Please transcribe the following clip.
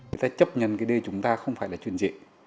chúng ta chấp nhận cái đê chúng ta không phải là truyền diện